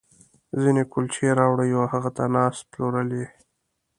ځينې کُلچې راوړي او هغې ته ناست، پلورل یې.